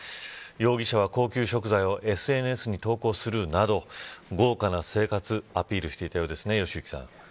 容疑者は高級食材をＳＮＳに投稿するなど豪華な生活アピールしていたようですね良幸さん。